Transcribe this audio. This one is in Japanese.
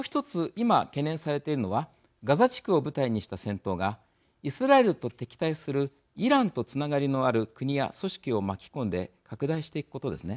今、懸念されているのはガザ地区を舞台にした戦闘がイスラエルと敵対するイランとつながりのある国や組織を巻き込んで拡大していくことですね。